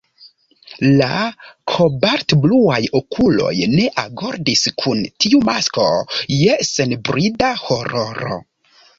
La kobaltbluaj okuloj ne agordis kun tiu masko je senbrida hororo.